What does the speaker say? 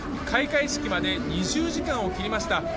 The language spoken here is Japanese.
開会式まで２０時間を切りました。